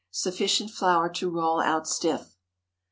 Sufficient flour to roll out stiff.